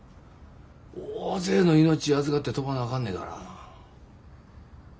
大勢の命預かって飛ばなあかんねから。